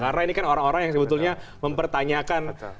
karena ini kan orang orang yang sebetulnya mempertanyakan